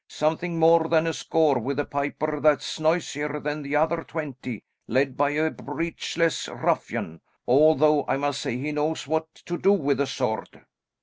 "Something more than a score, with a piper that's noisier than the other twenty, led by a breechless ruffian, although I must say he knows what to do with a sword."